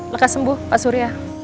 lekas bu pak surya